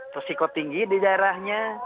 resiko tinggi di daerahnya